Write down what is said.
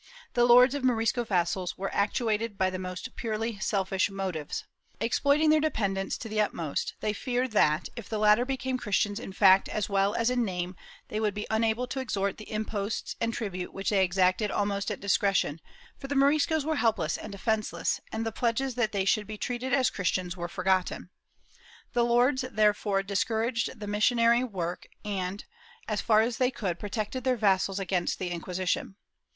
The lords of Morisco vassals were actuated by the most purely selfish motives. Exploiting their dependents to the utmost, they feared that, if the latter became Christians in fact as well as in name, they would be unable to extort the imposts and tribute which they exacted almost at discretion, for the Moris CQS were helpless and defenceless, and the pledges that they should » Boronat, II, 45 6, 69 71, 169, 435, 438, 478, 683. » Ibidem, II, 436, 440 3. VOL. Ill 24 370 MORISCOS [Book VIII be treated as Christians were forgotten. The lords therefore dis couraged all missionary work and, as far as they could, protected their vassals against the Inquisition.